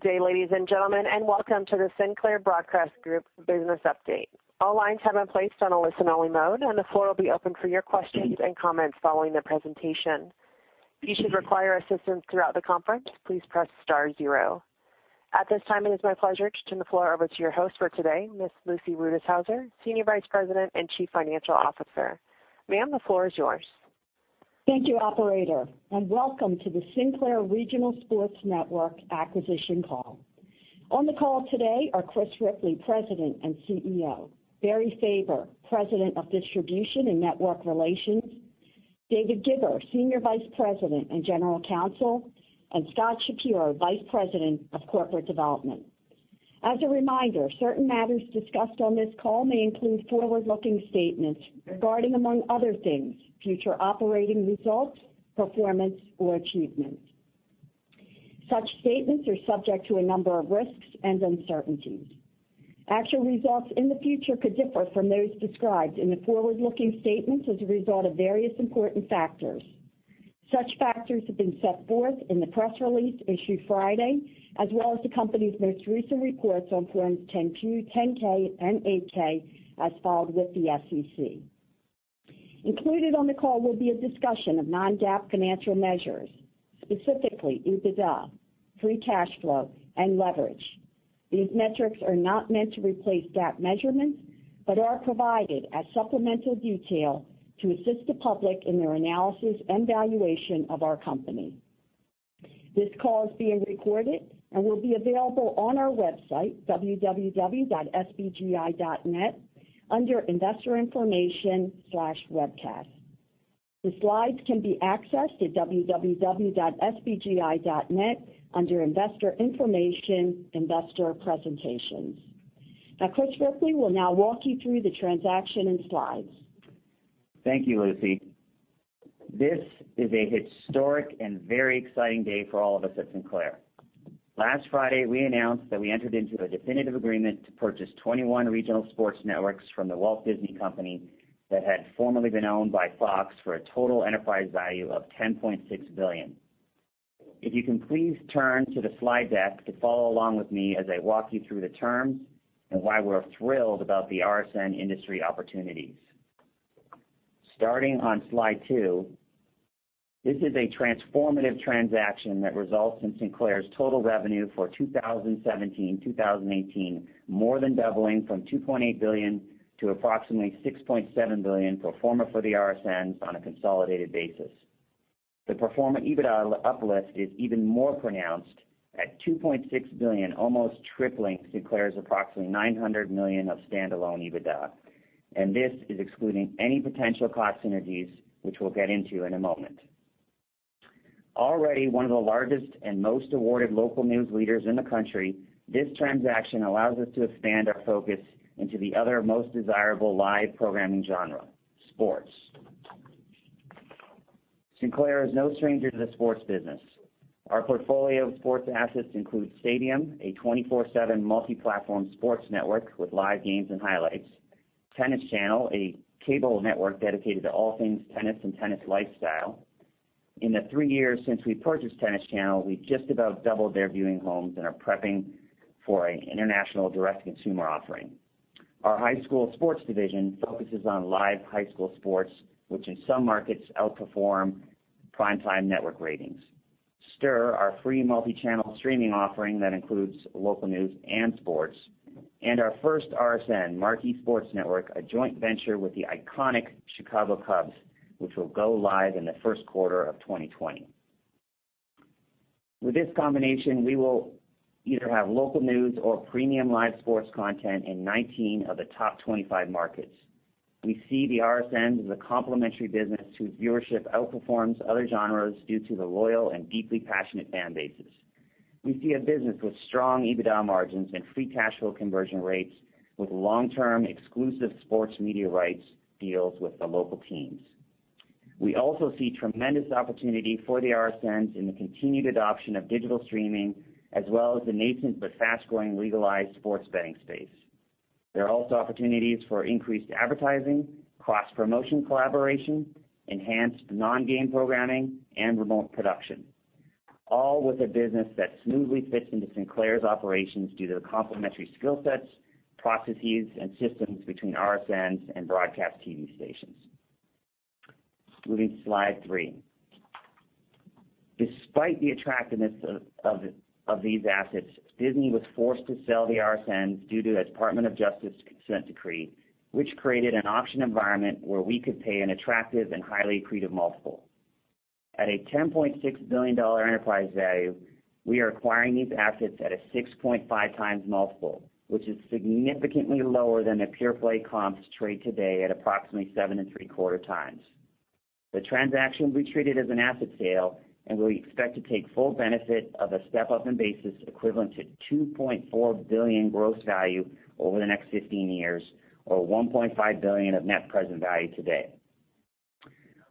Good day, ladies and gentlemen, and welcome to the Sinclair Broadcast Group business update. All lines have been placed on a listen-only mode, and the floor will be open for your questions and comments following the presentation. If you should require assistance throughout the conference, please press star zero. At this time, it is my pleasure to turn the floor over to your host for today, Ms. Lucy Rutishauser, Senior Vice President and Chief Financial Officer. Ma'am, the floor is yours. Thank you, operator, and welcome to the Sinclair Regional Sports Network acquisition call. On the call today are Chris Ripley, President and CEO, Barry Faber, President of Distribution and Network Relations, David Gibber, Senior Vice President and General Counsel, and Scott Shapiro, Vice President of Corporate Development. As a reminder, certain matters discussed on this call may include forward-looking statements regarding, among other things, future operating results, performance, or achievements. Such statements are subject to a number of risks and uncertainties. Actual results in the future could differ from those described in the forward-looking statements as a result of various important factors. Such factors have been set forth in the press release issued Friday, as well as the company's most recent reports on Forms 10-Q, 10-K, and 8-K as filed with the SEC. Included on the call will be a discussion of non-GAAP financial measures, specifically EBITDA, free cash flow, and leverage. These metrics are not meant to replace GAAP measurements but are provided as supplemental detail to assist the public in their analysis and valuation of our company. This call is being recorded and will be available on our website, www.sbgi.net, under Investor Information/Webcasts. The slides can be accessed at www.sbgi.net under Investor Information, Investor Presentations. Chris Ripley will now walk you through the transaction and slides. Thank you, Lucy. This is a historic and very exciting day for all of us at Sinclair. Last Friday, we announced that we entered into a definitive agreement to purchase 21 regional sports networks from The Walt Disney Company that had formerly been owned by Fox for a total enterprise value of $10.6 billion. If you can please turn to the slide deck to follow along with me as I walk you through the terms and why we're thrilled about the RSN industry opportunities. Starting on slide two, this is a transformative transaction that results in Sinclair's total revenue for 2017-2018, more than doubling from $2.8 billion to approximately $6.7 billion pro forma for the RSNs on a consolidated basis. The pro forma EBITDA uplift is even more pronounced at $2.6 billion, almost tripling Sinclair's approximately $900 million of standalone EBITDA. This is excluding any potential cost synergies, which we'll get into in a moment. Already one of the largest and most awarded local news leaders in the country, this transaction allows us to expand our focus into the other most desirable live programming genre, sports. Sinclair is no stranger to the sports business. Our portfolio of sports assets includes Stadium, a 24/7 multi-platform sports network with live games and highlights, Tennis Channel, a cable network dedicated to all things tennis and tennis lifestyle. In the three years since we purchased Tennis Channel, we've just about doubled their viewing homes and are prepping for an international direct consumer offering. Our high school sports division focuses on live high school sports, which in some markets outperform primetime network ratings. STIRR, our free multi-channel streaming offering that includes local news and sports, our first RSN, Marquee Sports Network, a joint venture with the iconic Chicago Cubs, which will go live in the first quarter of 2020. With this combination, we will either have local news or premium live sports content in 19 of the top 25 markets. We see the RSNs as a complementary business whose viewership outperforms other genres due to the loyal and deeply passionate fan bases. We see a business with strong EBITDA margins and free cash flow conversion rates with long-term exclusive sports media rights deals with the local teams. We also see tremendous opportunity for the RSNs in the continued adoption of digital streaming, as well as the nascent but fast-growing legalized sports betting space. There are also opportunities for increased advertising, cross-promotion collaboration, enhanced non-game programming, and remote production, all with a business that smoothly fits into Sinclair's operations due to the complementary skill sets, processes, and systems between RSNs and broadcast TV stations. Moving to slide three. Despite the attractiveness of these assets, Disney was forced to sell the RSNs due to a Department of Justice consent decree, which created an auction environment where we could pay an attractive and highly accretive multiple. At a $10.6 billion enterprise value, we are acquiring these assets at a 6.5x multiple, which is significantly lower than the pure-play comps trade today at approximately 7.75x. The transaction will be treated as an asset sale. We expect to take full benefit of a step-up in basis equivalent to $2.4 billion gross value over the next 15 years or $1.5 billion of net present value today.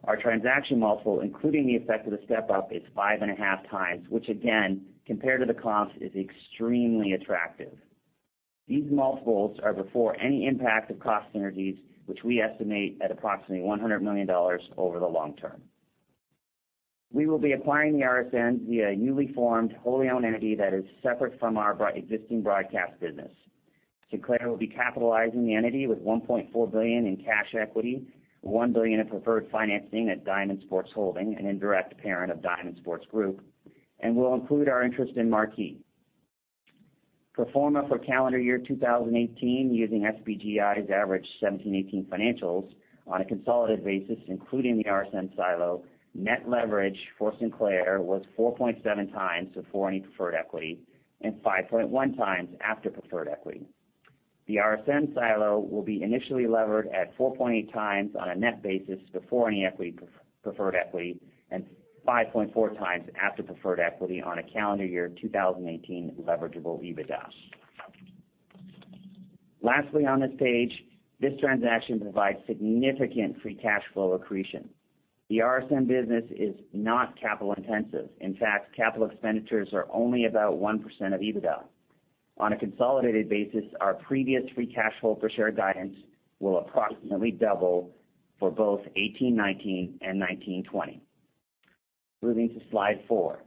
Our transaction multiple, including the effect of the step-up, is 5.5x, which again, compared to the comps, is extremely attractive. These multiples are before any impact of cost synergies, which we estimate at approximately $100 million over the long term. We will be acquiring the RSN via a newly formed wholly-owned entity that is separate from our existing broadcast business. Sinclair will be capitalizing the entity with $1.4 billion in cash equity, $1 billion in preferred financing at Diamond Sports Holding, an indirect parent of Diamond Sports Group, and will include our interest in Marquee. Pro forma for calendar year 2018 using SBGI's average 2017, 2018 financials on a consolidated basis, including the RSN silo, net leverage for Sinclair was 4.7 times before any preferred equity and 5.1 times after preferred equity. The RSN silo will be initially levered at 4.8 times on a net basis before any preferred equity and 5.4 times after preferred equity on a calendar year 2018 leverageable EBITDA. Lastly on this page, this transaction provides significant free cash flow accretion. The RSN business is not capital intensive. In fact, capital expenditures are only about 1% of EBITDA. On a consolidated basis, our previous free cash flow per share guidance will approximately double for both 2018, 2019, and 2019, 2020. Moving to slide four.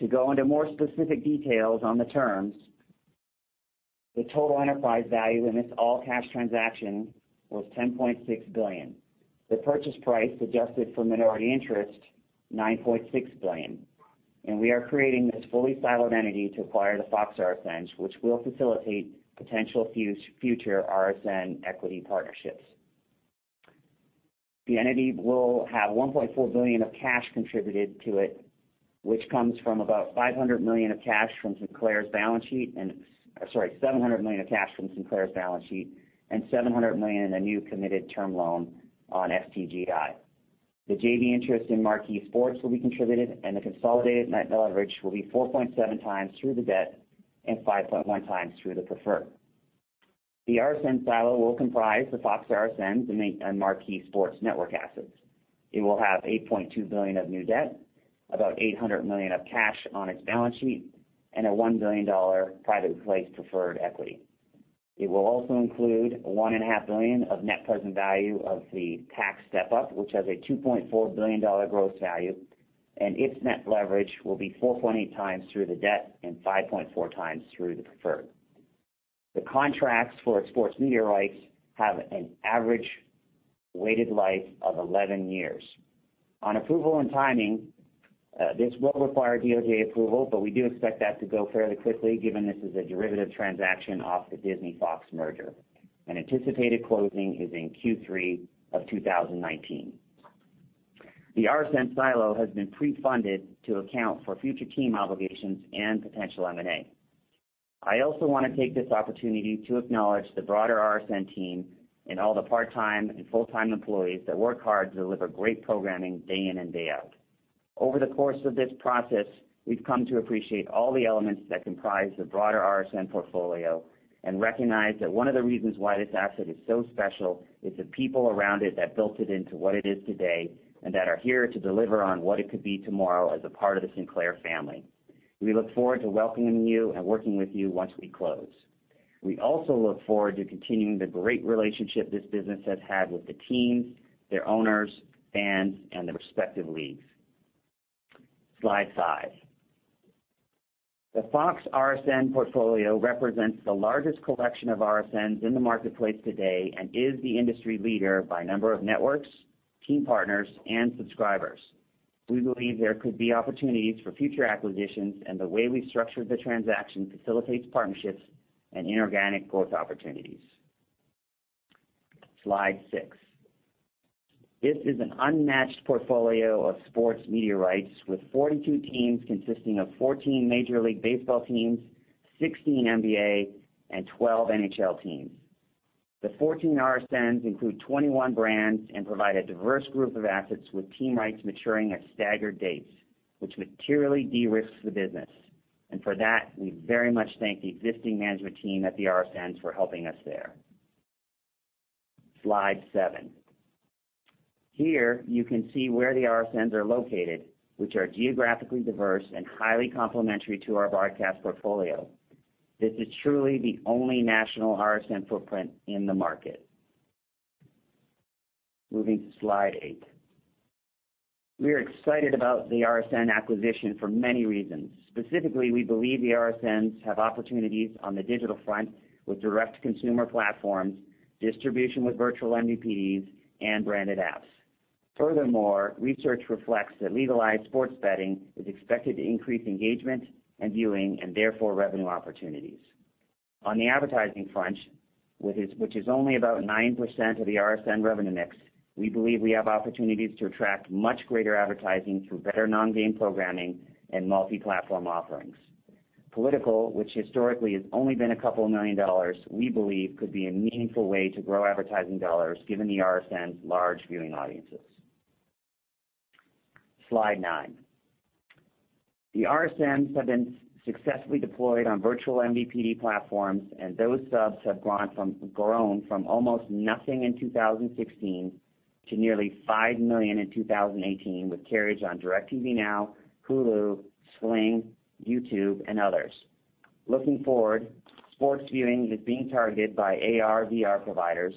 To go into more specific details on the terms, the total enterprise value in this all cash transaction was $10.6 billion. The purchase price adjusted for minority interest, $9.6 billion. We are creating this fully siloed entity to acquire the Fox RSNs, which will facilitate potential future RSN equity partnerships. The entity will have $1.4 billion of cash contributed to it, which comes from about $500 million of cash from Sinclair's balance sheet, $700 million of cash from Sinclair's balance sheet and $700 million in a new committed term loan on SBGI. The JV interest in Marquee Sports will be contributed and the consolidated net leverage will be 4.7 times through the debt and 5.1 times through the preferred. The RSN silo will comprise the Fox RSNs and Marquee Sports Network assets. It will have $8.2 billion of new debt, about $800 million of cash on its balance sheet, and a $1 billion private-placed preferred equity. It will also include $1.5 billion of net present value of the tax step-up, which has a $2.4 billion gross value, and its net leverage will be 4.8 times through the debt and 5.4 times through the preferred. The contracts for its sports media rights have an average weighted life of 11 years. On approval and timing, this will require DOJ approval, but we do expect that to go fairly quickly given this is a derivative transaction off the Disney-Fox merger. An anticipated closing is in Q3 of 2019. The RSN silo has been pre-funded to account for future team obligations and potential M&A. I also want to take this opportunity to acknowledge the broader RSN team and all the part-time and full-time employees that work hard to deliver great programming day in and day out. Over the course of this process, we've come to appreciate all the elements that comprise the broader RSN portfolio and recognize that one of the reasons why this asset is so special is the people around it that built it into what it is today, and that are here to deliver on what it could be tomorrow as a part of the Sinclair family. We look forward to welcoming you and working with you once we close. We also look forward to continuing the great relationship this business has had with the teams, their owners, fans, and the respective leagues. Slide five. The Fox RSN portfolio represents the largest collection of RSNs in the marketplace today and is the industry leader by number of networks, team partners, and subscribers. We believe there could be opportunities for future acquisitions. The way we structured the transaction facilitates partnerships and inorganic growth opportunities. Slide six. This is an unmatched portfolio of sports media rights with 42 teams consisting of 14 Major League Baseball teams, 16 NBA, and 12 NHL teams. The 14 RSNs include 21 brands and provide a diverse group of assets with team rights maturing at staggered dates, which materially de-risks the business. For that, we very much thank the existing management team at the RSNs for helping us there. Slide seven. Here you can see where the RSNs are located, which are geographically diverse and highly complementary to our broadcast portfolio. This is truly the only national RSN footprint in the market. Moving to Slide eight. We are excited about the RSN acquisition for many reasons. Specifically, we believe the RSNs have opportunities on the digital front with direct consumer platforms, distribution with virtual MVPDs, and branded apps. Furthermore, research reflects that legalized sports betting is expected to increase engagement and viewing, therefore, revenue opportunities. On the advertising front, which is only about 9% of the RSN revenue mix, we believe we have opportunities to attract much greater advertising through better non-game programming and multi-platform offerings. Political, which historically has only been a couple of million dollars, we believe could be a meaningful way to grow advertising dollars given the RSN's large viewing audiences. Slide nine. The RSNs have been successfully deployed on virtual MVPD platforms, and those subs have grown from almost nothing in 2016 to nearly 5 million in 2018, with carriage on DIRECTV NOW, Hulu, Sling, YouTube, and others. Looking forward, sports viewing is being targeted by AR/VR providers,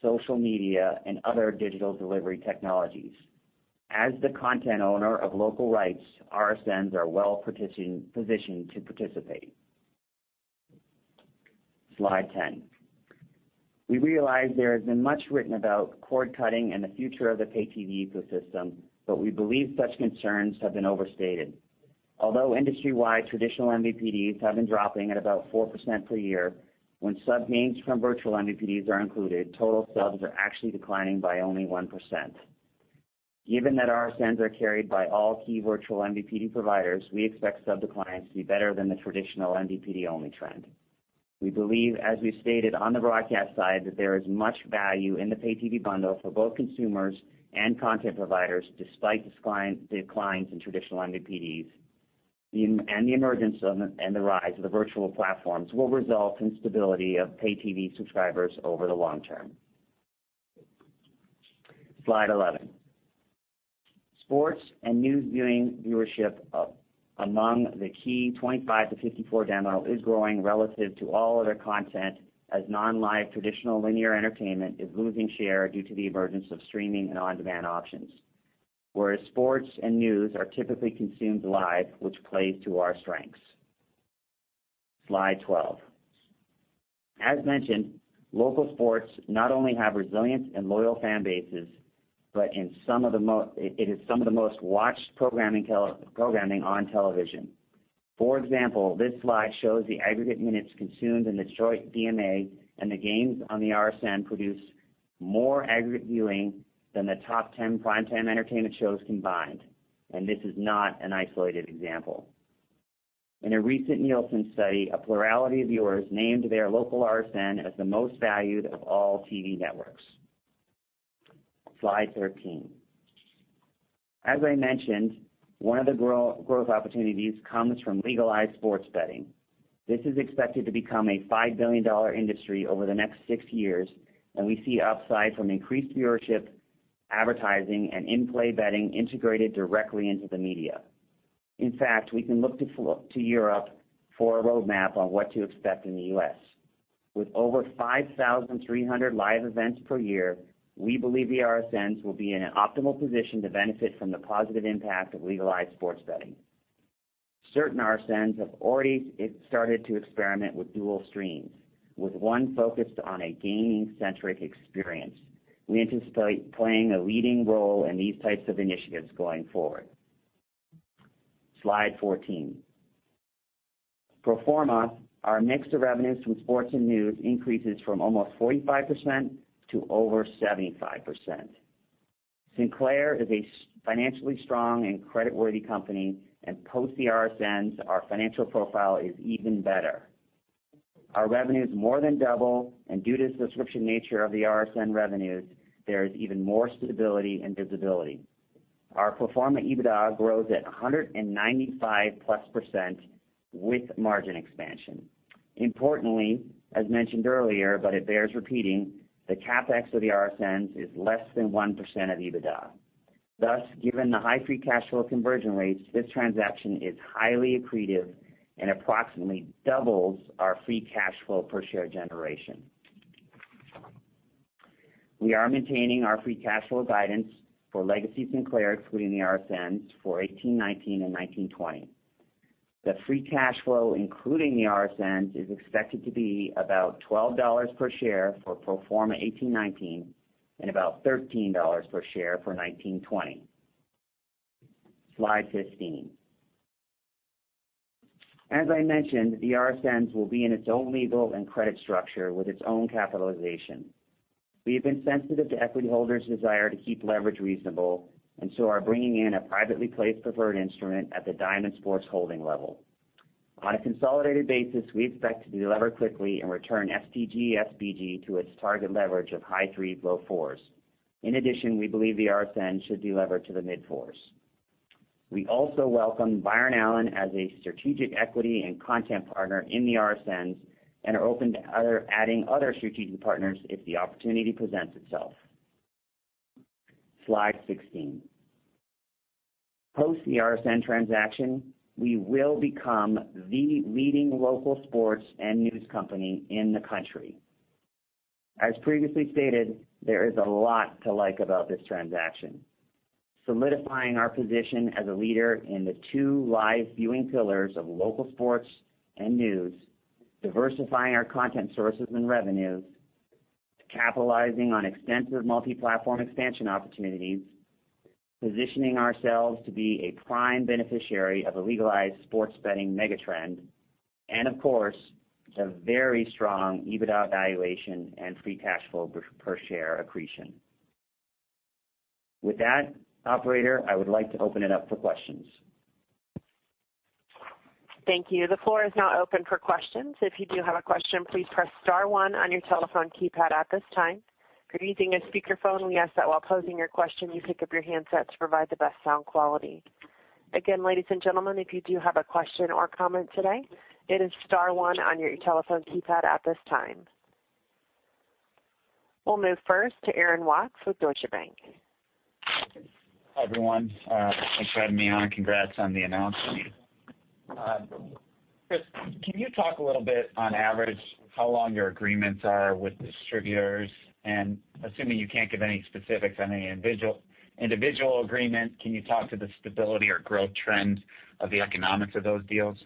social media, and other digital delivery technologies. As the content owner of local rights, RSNs are well-positioned to participate. Slide 10. We realize there has been much written about cord-cutting and the future of the pay TV ecosystem, but we believe such concerns have been overstated. Although industry-wide traditional MVPDs have been dropping at about 4% per year, when sub gains from virtual MVPDs are included, total subs are actually declining by only 1%. Given that RSNs are carried by all key virtual MVPD providers, we expect sub declines to be better than the traditional MVPD-only trend. We believe, as we've stated on the broadcast side, that there is much value in the pay TV bundle for both consumers and content providers, despite declines in traditional MVPDs. The emergence and the rise of the virtual platforms will result in stability of pay TV subscribers over the long term. Slide 11. Sports and news viewership among the key 25 to 54 demo is growing relative to all other content as non-live traditional linear entertainment is losing share due to the emergence of streaming and on-demand options. Sports and news are typically consumed live, which plays to our strengths. Slide 12. As mentioned, local sports not only have resilient and loyal fan bases, but it is some of the most watched programming on television. For example, this slide shows the aggregate minutes consumed in Detroit DMA, and the games on the RSN produce more aggregate viewing than the top 10 prime-time entertainment shows combined. This is not an isolated example. In a recent Nielsen study, a plurality of viewers named their local RSN as the most valued of all TV networks. Slide 13. As I mentioned, one of the growth opportunities comes from legalized sports betting. This is expected to become a $5 billion industry over the next six years, and we see upside from increased viewership, advertising, and in-play betting integrated directly into the media. In fact, we can look to Europe for a roadmap on what to expect in the U.S. With over 5,300 live events per year, we believe the RSNs will be in an optimal position to benefit from the positive impact of legalized sports betting. Certain RSNs have already started to experiment with dual streams, with one focused on a gaming-centric experience. We anticipate playing a leading role in these types of initiatives going forward. Slide 14. Pro forma, our mix of revenues from sports and news increases from almost 45% to over 75%. Sinclair is a financially strong and creditworthy company, and post the RSNs, our financial profile is even better. Our revenue is more than double, and due to the subscription nature of the RSN revenues, there is even more stability and visibility. Our pro forma EBITDA grows at 195-plus% with margin expansion. Importantly, as mentioned earlier, but it bears repeating, the CapEx of the RSNs is less than 1% of EBITDA. Thus, given the high free cash flow conversion rates, this transaction is highly accretive and approximately doubles our free cash flow per share generation. We are maintaining our free cash flow guidance for legacy Sinclair, excluding the RSNs for 2018-2019 and 2019-2020. The free cash flow, including the RSNs, is expected to be about $12 per share for pro forma 2018-2019 and about $13 per share for 2019-2020. Slide 15. As I mentioned, the RSNs will be in its own legal and credit structure with its own capitalization. We have been sensitive to equity holders' desire to keep leverage reasonable. Are bringing in a privately placed preferred instrument at the Diamond Sports Holding level. On a consolidated basis, we expect to delever quickly and return SBGI to its target leverage of high 3s, low 4s. In addition, we believe the RSN should delever to the mid-4s. We also welcome Byron Allen as a strategic equity and content partner in the RSNs and are open to adding other strategic partners if the opportunity presents itself. Slide 16. Post the RSN transaction, we will become the leading local sports and news company in the country. As previously stated, there is a lot to like about this transaction. Solidifying our position as a leader in the two live viewing pillars of local sports and news, diversifying our content sources and revenues, capitalizing on extensive multi-platform expansion opportunities, positioning ourselves to be a prime beneficiary of a legalized sports betting mega-trend, of course, a very strong EBITDA valuation and free cash flow per share accretion. With that, operator, I would like to open it up for questions. Thank you. The floor is now open for questions. If you do have a question, please press star one on your telephone keypad at this time. If you're using a speakerphone, we ask that while posing your question, you pick up your handset to provide the best sound quality. Again, ladies and gentlemen, if you do have a question or comment today, it is star one on your telephone keypad at this time. We'll move first to Aaron Wax with Deutsche Bank. Hi, everyone. Thanks for having me on. Congrats on the announcement. Chris, can you talk a little on average how long your agreements are with distributors? Assuming you can't give any specifics on any individual agreement, can you talk to the stability or growth trends of the economics of those deals?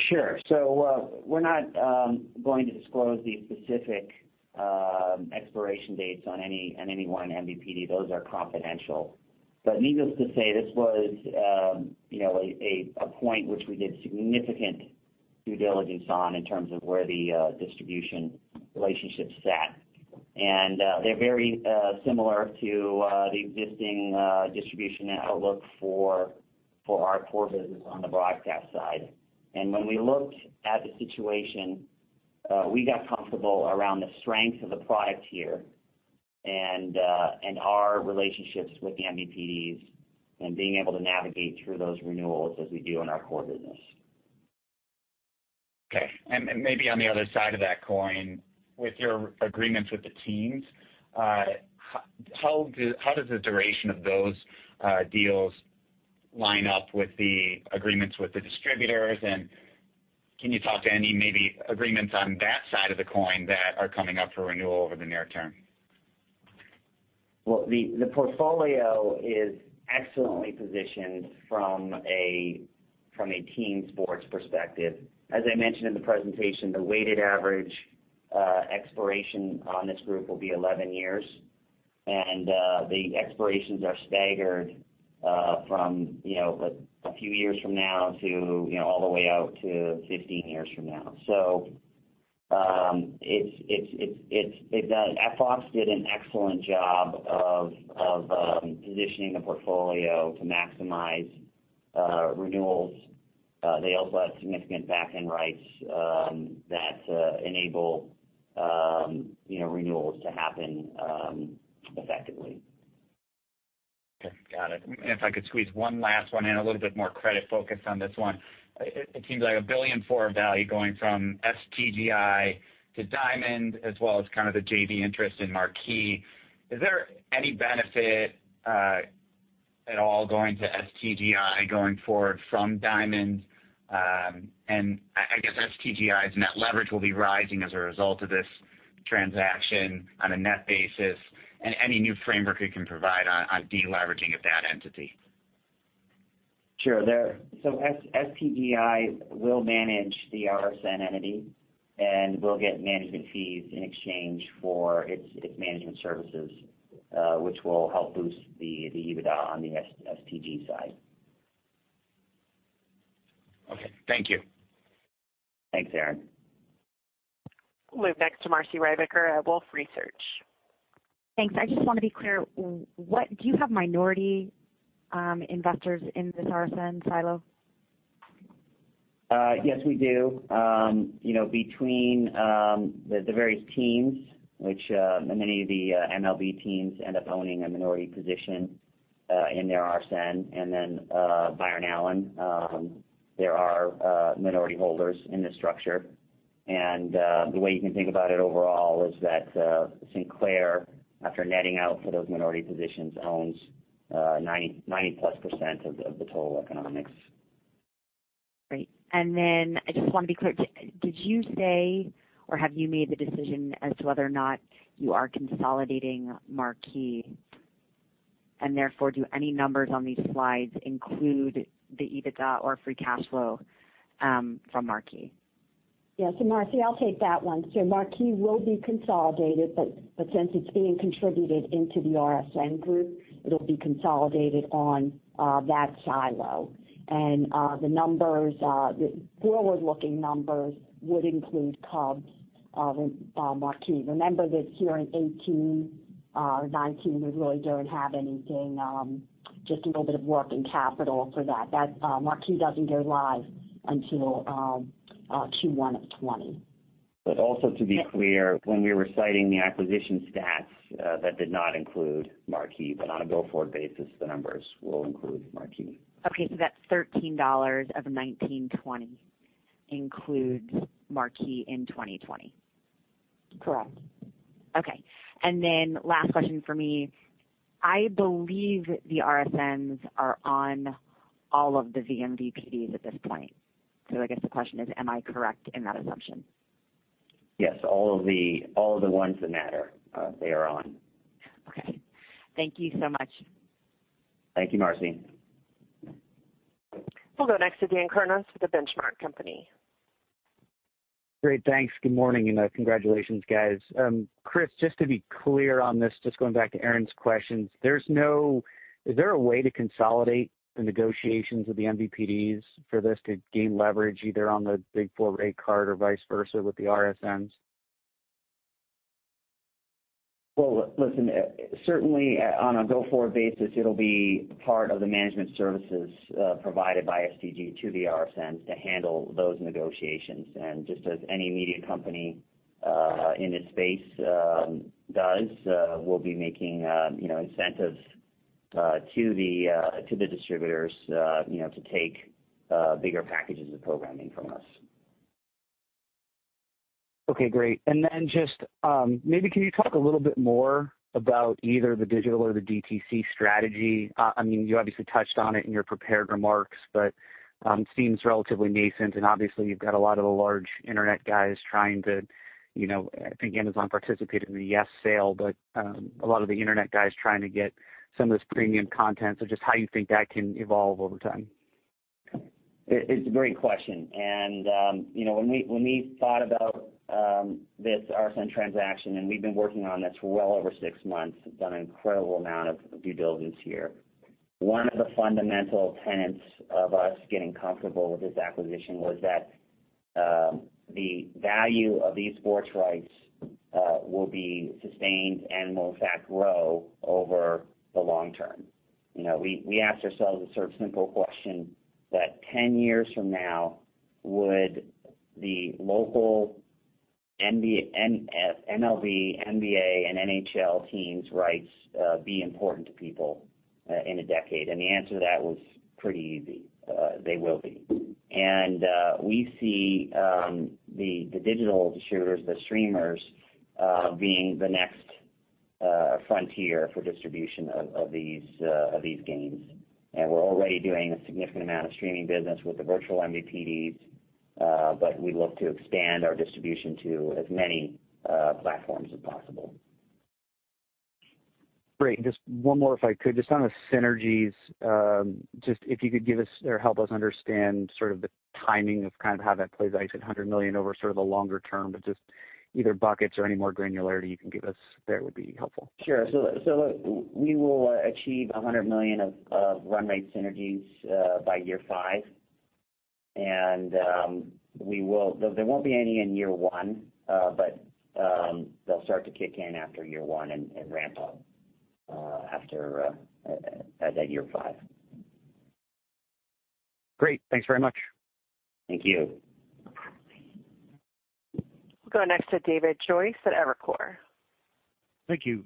Sure. We're not going to disclose the specific expiration dates on any one MVPD. Those are confidential. Needless to say, this was a point which we did significant due diligence on in terms of where the distribution relationships sat. They're very similar to the existing distribution outlook for our core business on the broadcast side. When we looked at the situation, we got comfortable around the strength of the product here and our relationships with the MVPDs and being able to navigate through those renewals as we do in our core business. Okay. Maybe on the other side of that coin, with your agreements with the teams, how does the duration of those deals line up with the agreements with the distributors? Can you talk to any maybe agreements on that side of the coin that are coming up for renewal over the near term? Well, the portfolio is excellently positioned from a team sports perspective. As I mentioned in the presentation, the weighted average expiration on this group will be 11 years. The expirations are staggered from a few years from now all the way out to 15 years from now. Fox did an excellent job of positioning the portfolio to maximize renewals. They also have significant backend rights that enable renewals to happen effectively. Okay. Got it. If I could squeeze one last one in, a little bit more credit focused on this one. It seems like a $1 billion forward value going from SBGI to Diamond as well as kind of the JV interest in Marquee. Is there any benefit at all going to SBGI going forward from Diamond? I guess SBGI's net leverage will be rising as a result of this transaction on a net basis. Any new framework you can provide on de-leveraging of that entity? Sure. SBGI will manage the RSN entity and will get management fees in exchange for its management services, which will help boost the EBITDA on the SBGI side. Okay. Thank you. Thanks, Aaron. We'll move next to Marci Ryvicker at Wolfe Research. Thanks. I just want to be clear. Do you have minority investors in this RSN silo? Yes, we do. Between the various teams, which many of the MLB teams end up owning a minority position in their RSN, and then Byron Allen, there are minority holders in this structure. The way you can think about it overall is that Sinclair, after netting out for those minority positions, owns 90-plus % of the total economics. Great. I just want to be clear, did you say, or have you made the decision as to whether or not you are consolidating Marquee? Therefore, do any numbers on these slides include the EBITDA or free cash flow from Marquee? Yeah. Marci, I'll take that one. Marquee will be consolidated, but since it's being contributed into the RSN group, it'll be consolidated on that silo. The forward-looking numbers would include Cubs Marquee. Remember that here in 2018 or 2019, we really don't have anything, just a little bit of work in capital for that. Marquee doesn't go live until Q1 of 2020. Also to be clear, when we were citing the acquisition stats, that did not include Marquee, but on a go-forward basis, the numbers will include Marquee. Okay, that $13 of 1920 includes Marquee in 2020? Correct. Last question for me. I believe the RSNs are on all of the vMVPDs at this point. I guess the question is, am I correct in that assumption? Yes. All of the ones that matter, they are on. Okay. Thank you so much. Thank you, Marci. We'll go next to Dan Kurnos with The Benchmark Company. Great. Thanks. Good morning, and congratulations, guys. Chris, just to be clear on this, just going back to Aaron's questions. Is there a way to consolidate the negotiations with the MVPDs for this to gain leverage, either on the big four rate card or vice versa with the RSNs? Well, listen, certainly on a go-forward basis, it'll be part of the management services provided by STG to the RSNs to handle those negotiations. Just as any media company in this space does, we'll be making incentives to the distributors to take bigger packages of programming from us. Okay, great. Just maybe can you talk a little bit more about either the digital or the DTC strategy? You obviously touched on it in your prepared remarks, but it seems relatively nascent, and obviously you've got a lot of the large internet guys trying to, I think Amazon participated in the YES sale, but a lot of the internet guys trying to get some of this premium content. Just how you think that can evolve over time. It's a great question, and when we thought about this RSN transaction, and we've been working on this for well over six months, done an incredible amount of due diligence here. One of the fundamental tenets of us getting comfortable with this acquisition was that the value of these sports rights will be sustained and will in fact grow over the long term. We asked ourselves a sort of simple question, that 10 years from now, would the local MLB, NBA, and NHL teams' rights be important to people in a decade? The answer to that was pretty easy. They will be. We see the digital distributors, the streamers, being the next frontier for distribution of these games, and we're already doing a significant amount of streaming business with the virtual MVPDs. We look to expand our distribution to as many platforms as possible. Great. Just one more, if I could, just on the synergies, just if you could give us or help us understand sort of the timing of kind of how that plays out. You said $100 million over sort of the longer term, just either buckets or any more granularity you can give us there would be helpful. Sure. We will achieve $100 million of run rate synergies by year five. There won't be any in year one. They'll start to kick in after year one and ramp up at that year five. Great. Thanks very much. Thank you. We'll go next to David Joyce at Evercore. Thank you.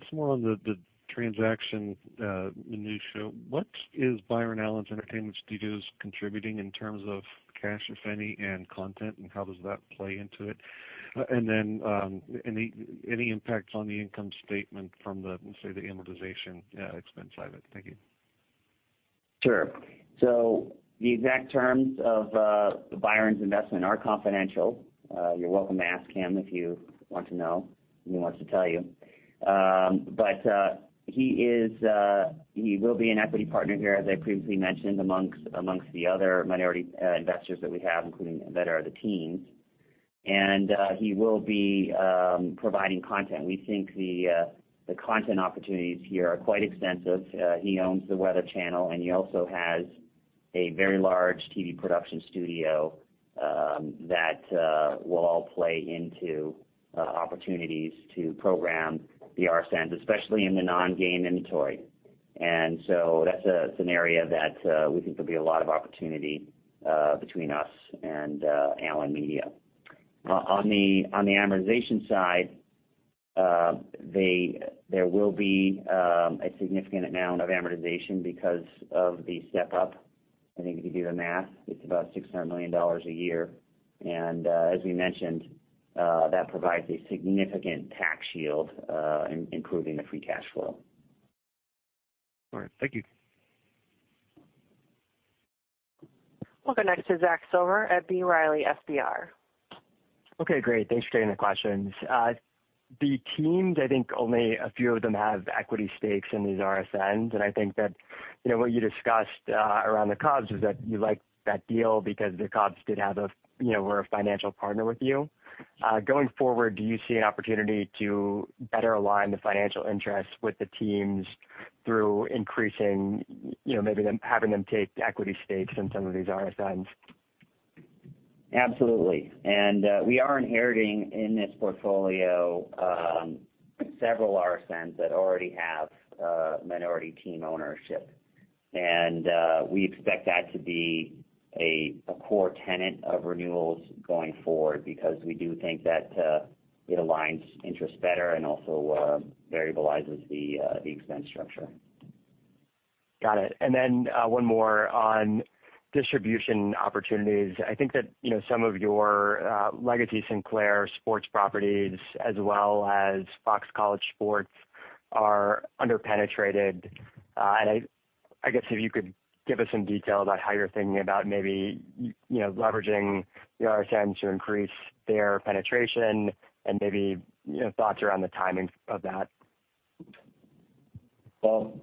Just more on the transaction minutia. What is Byron Allen's Entertainment Studios contributing in terms of cash, if any, and content, and how does that play into it? Any impacts on the income statement from the, let's say, the amortization expense side of it? Thank you. Sure. The exact terms of Byron's investment are confidential. You're welcome to ask him if you want to know, and he wants to tell you. He will be an equity partner here, as I previously mentioned, amongst the other minority investors that we have, including that are the teams. He will be providing content. We think the content opportunities here are quite extensive. He owns The Weather Channel, and he also has a very large TV production studio that will all play into opportunities to program the RSNs, especially in the non-game inventory. That's an area that we think there'll be a lot of opportunity between us and Allen Media. On the amortization side, there will be a significant amount of amortization because of the step-up. I think if you do the math, it's about $600 million a year. As we mentioned, that provides a significant tax shield, improving the free cash flow. All right. Thank you. We'll go next to Zachary Silver at B. Riley FBR. Okay, great. Thanks for taking the questions. The teams, I think only a few of them have equity stakes in these RSNs, and I think that what you discussed around the Cubs was that you liked that deal because the Cubs were a financial partner with you. Going forward, do you see an opportunity to better align the financial interests with the teams through increasing, maybe having them take equity stakes in some of these RSNs? Absolutely. We are inheriting in this portfolio several RSNs that already have minority team ownership. We expect that to be a core tenet of renewals going forward because we do think that it aligns interests better and also varializes the expense structure. Got it. Then one more on distribution opportunities. I think that some of your legacy Sinclair sports properties as well as Fox College Sports are under-penetrated. I guess if you could give us some detail about how you're thinking about maybe leveraging the RSN to increase their penetration and maybe thoughts around the timing of that. Well,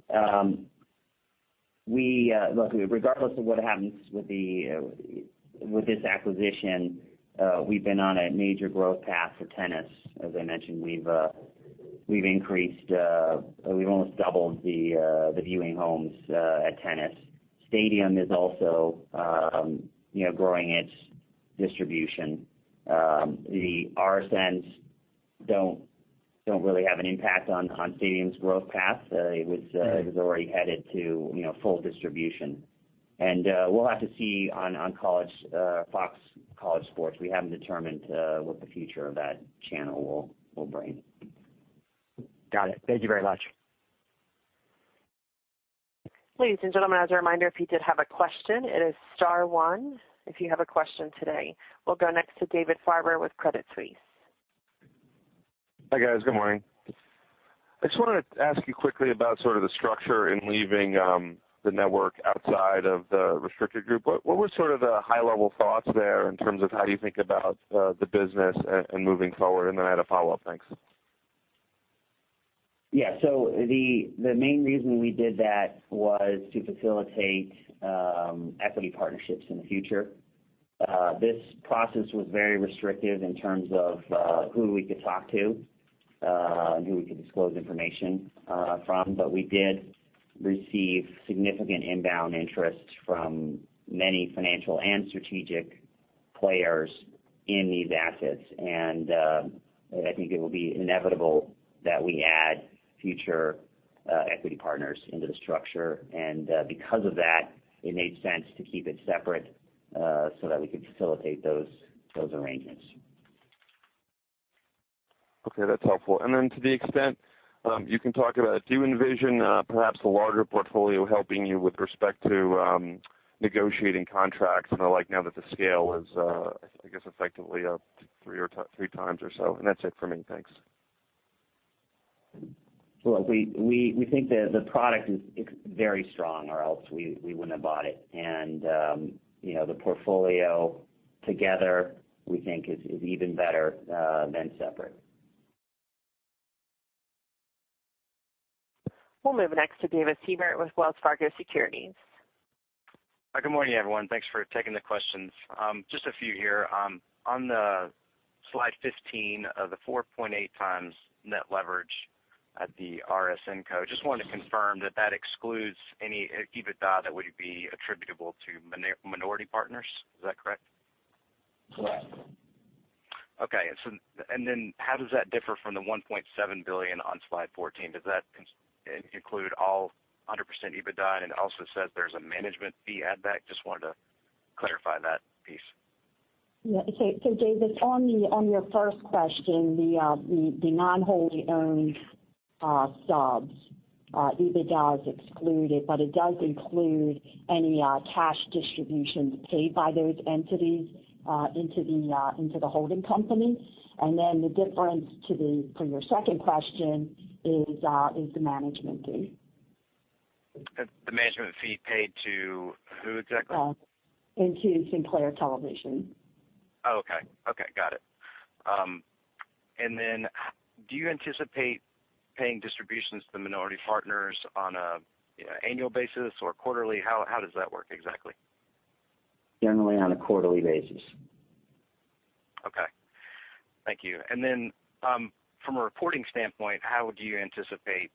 look, regardless of what happens with this acquisition, we've been on a major growth path for Tennis Channel. As I mentioned, we've almost doubled the viewing homes at Tennis Channel. Stadium is also growing its distribution. The RSNs don't really have an impact on Stadium's growth path. It was already headed to full distribution. We'll have to see on Fox College Sports. We haven't determined what the future of that channel will bring. Got it. Thank you very much. Ladies and gentlemen, as a reminder, if you did have a question, it is star one. If you have a question today, we'll go next to David Faber with Credit Suisse. Hi, guys. Good morning. I just wanted to ask you quickly about sort of the structure in leaving the network outside of the restricted group. What were sort of the high-level thoughts there in terms of how you think about the business and moving forward? I had a follow-up. Thanks. Yeah. The main reason we did that was to facilitate equity partnerships in the future. This process was very restrictive in terms of who we could talk to and who we could disclose information from. We did receive significant inbound interest from many financial and strategic players in these assets. I think it will be inevitable that we add future equity partners into the structure. Because of that, it made sense to keep it separate so that we could facilitate those arrangements. Okay. That's helpful. To the extent you can talk about, do you envision perhaps a larger portfolio helping you with respect to negotiating contracts now that the scale is, I guess, effectively up three times or so? That's it for me. Thanks. Look, we think the product is very strong, or else we wouldn't have bought it. The portfolio together, we think is even better than separate. We'll move next to David Seibert with Wells Fargo Securities. Hi, good morning, everyone. Thanks for taking the questions. Just a few here. On the slide 15 of the 4.8 times net leverage at the RSN co, just wanted to confirm that excludes any EBITDA that would be attributable to minority partners. Is that correct? Correct. Okay. How does that differ from the $1.7 billion on slide 14? Does that include all 100% EBITDA and it also says there's a management fee add back? Just wanted to clarify that piece. David, on your first question, the non-wholly owned subs, EBITDA is excluded, but it does include any cash distributions paid by those entities into the holding company. The difference for your second question is the management fee. The management fee paid to who exactly? Into Sinclair Television. Oh, okay. Got it. Do you anticipate paying distributions to minority partners on an annual basis or quarterly? How does that work exactly? Generally, on a quarterly basis. Okay. Thank you. From a reporting standpoint, how would you anticipate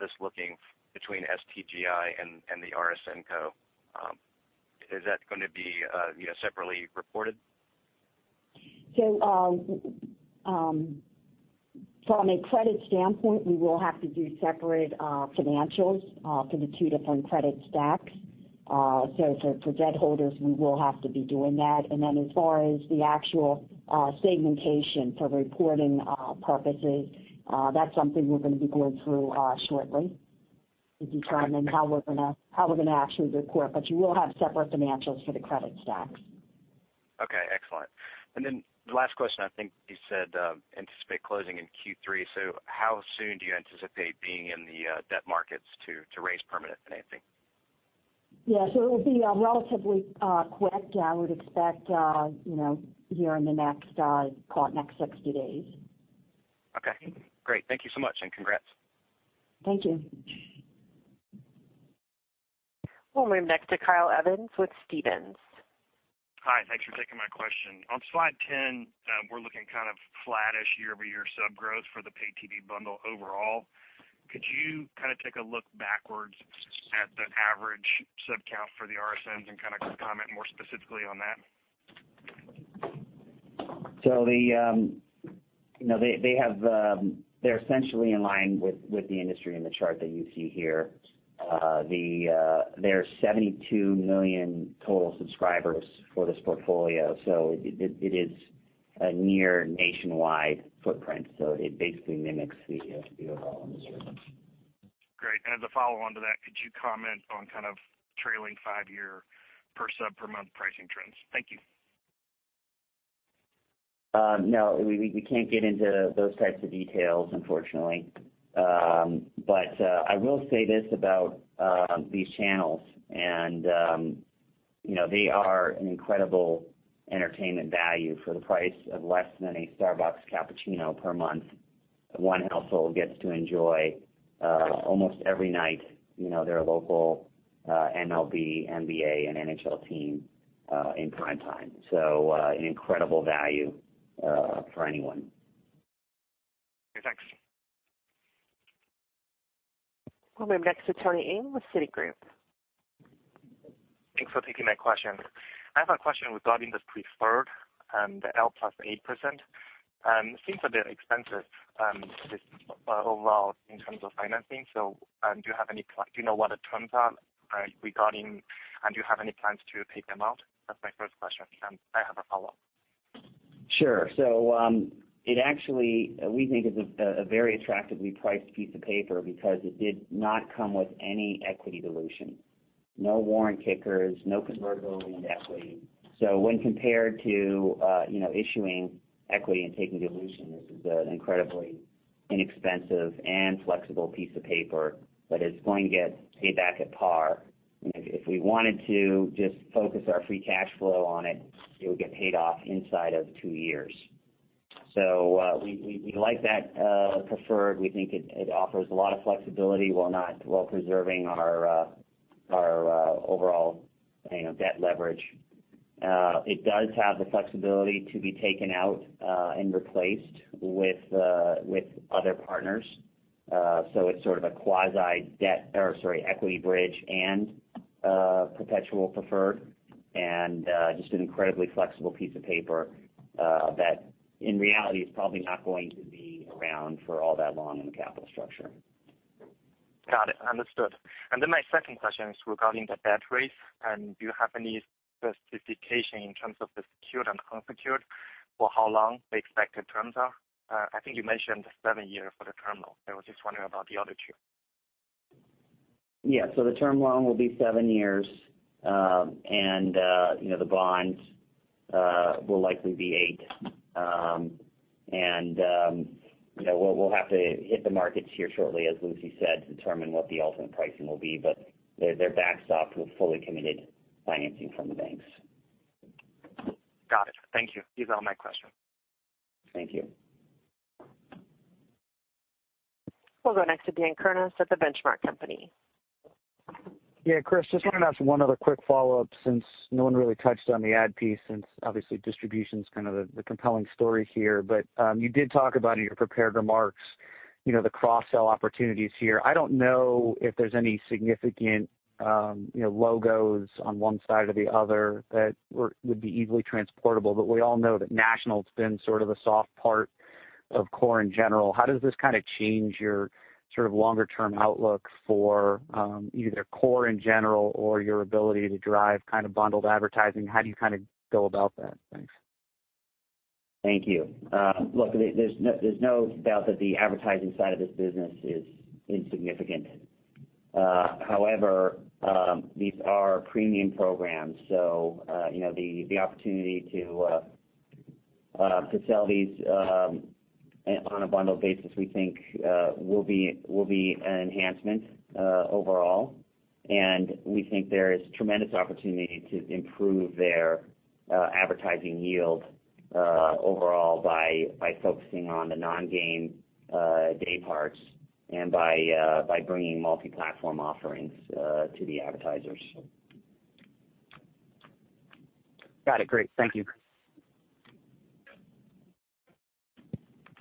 this looking between SBGI and the RSN co? Is that going to be separately reported? From a credit standpoint, we will have to do separate financials for the two different credit stacks. For debt holders, we will have to be doing that. As far as the actual segmentation for reporting purposes, that's something we're going to be going through shortly to determine how we're going to actually report. You will have separate financials for the credit stacks. Okay, excellent. The last question, I think you said anticipate closing in Q3. How soon do you anticipate being in the debt markets to raise permanent financing? Yeah. It will be relatively quick. I would expect here in the next 60 days. Okay, great. Thank you so much, congrats. Thank you. We'll move next to Kyle Evans with Stephens. Hi. Thanks for taking my question. On slide 10, we're looking kind of flat-ish year-over-year sub growth for the pay TV bundle overall. Could you kind of take a look backwards at the average sub count for the RSNs and comment more specifically on that? They're essentially in line with the industry in the chart that you see here. There are 72 million total subscribers for this portfolio. It is a near nationwide footprint, so it basically mimics the overall industry. Great. As a follow-on to that, could you comment on kind of trailing five-year per sub per month pricing trends? Thank you. No, we can't get into those types of details, unfortunately. I will say this about these channels and they are an incredible entertainment value for the price of less than a Starbucks cappuccino per month. One household gets to enjoy, almost every night, their local MLB, NBA, and NHL team in prime time. An incredible value for anyone. We'll go next to Tony Yin with Citigroup. Thanks for taking my question. I have a question regarding the preferred and the L plus 8%. It seems a bit expensive overall in terms of financing. Do you know what the terms are regarding, and do you have any plans to pay them out? That's my first question. I have a follow-up. Sure. It actually, we think, is a very attractively priced piece of paper because it did not come with any equity dilution, no warrant kickers, no convertible into equity. When compared to issuing equity and taking dilution, this is an incredibly inexpensive and flexible piece of paper that is going to get paid back at par. If we wanted to just focus our free cash flow on it would get paid off inside of two years. We like that preferred. We think it offers a lot of flexibility while preserving our overall debt leverage. It does have the flexibility to be taken out and replaced with other partners. It's sort of a quasi-debt, or sorry, equity bridge and perpetual preferred, and just an incredibly flexible piece of paper that, in reality, is probably not going to be around for all that long in the capital structure. Got it. Understood. My second question is regarding the debt raise. Do you have any specification in terms of the secured, unsecured, or how long the expected terms are? I think you mentioned seven years for the terminal. I was just wondering about the other two. Yeah. The term loan will be seven years, and the bonds will likely be eight. We'll have to hit the markets here shortly, as Lucy said, to determine what the ultimate pricing will be. They're backstopped with fully committed financing from the banks. Got it. Thank you. These are all my questions. Thank you. We'll go next to Dan Kurnos at The Benchmark Company. Yeah, Chris, just wanted to ask one other quick follow-up since no one really touched on the ad piece since obviously distribution's kind of the compelling story here. You did talk about in your prepared remarks, the cross-sell opportunities here. I don't know if there's any significant logos on one side or the other that would be easily transportable, but we all know that national has been sort of a soft part of core in general. How does this change your sort of longer term outlook for either core in general or your ability to drive bundled advertising? How do you go about that? Thanks. Thank you. Look, there's no doubt that the advertising side of this business is insignificant. However, these are premium programs, the opportunity to sell these on a bundled basis, we think, will be an enhancement overall. We think there is tremendous opportunity to improve their advertising yield overall by focusing on the non-game day parts and by bringing multi-platform offerings to the advertisers. Got it. Great. Thank you.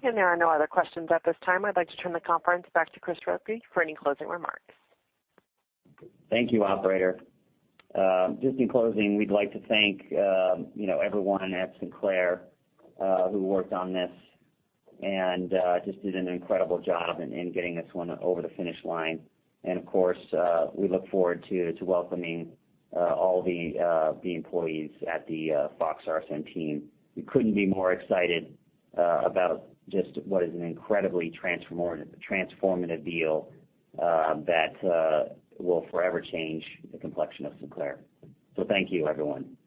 There are no other questions at this time. I'd like to turn the conference back to Chris Ripley for any closing remarks. Thank you, operator. Just in closing, we'd like to thank everyone at Sinclair who worked on this and just did an incredible job in getting this one over the finish line. Of course, we look forward to welcoming all the employees at the Fox RSN team. We couldn't be more excited about just what is an incredibly transformative deal that will forever change the complexion of Sinclair. Thank you, everyone.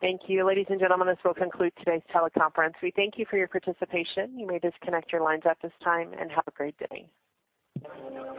Thank you. Ladies and gentlemen, this will conclude today's teleconference. We thank you for your participation. You may disconnect your lines at this time, and have a great day.